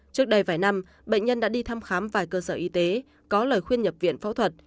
trước đây vài năm bệnh nhân đã đi thăm khám vài cơ sở y tế có lời khuyên nhập viện phẫu thuật